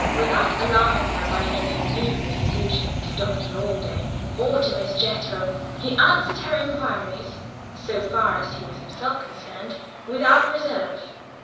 Without alarming her by any needless allusion to Doctor Allday or to Miss Jethro, he answered her inquiries (so far as he was himself concerned) without reserve.